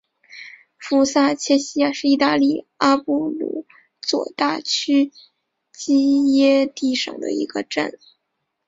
福萨切西亚是意大利阿布鲁佐大区基耶蒂省的一个镇。